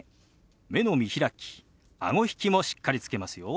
目の見開きあご引きもしっかりつけますよ。